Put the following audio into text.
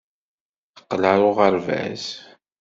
Teqqel ɣer uɣerbaz.